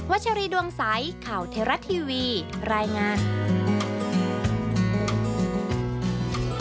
ชัชรีดวงใสข่าวเทราะทีวีรายงาน